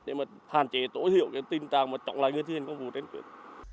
để mà hàn chế tổ thiểu cái tình trạng mà chọn lại người trên công vụ trên tuyến